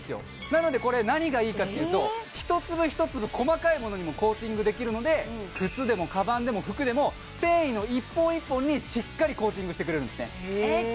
なのでこれ何がいいかっていうと一粒一粒細かいものにもコーティングできるので靴でもかばんでも服でも繊維の１本１本にしっかりコーティングしてくれるんですねへええっ